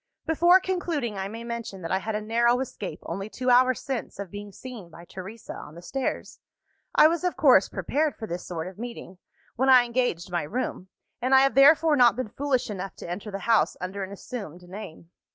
"Before concluding, I may mention that I had a narrow escape, only two hours since, of being seen by Teresa on the stairs. "I was of course prepared for this sort of meeting, when I engaged my room; and I have therefore not been foolish enough to enter the house under an assumed name.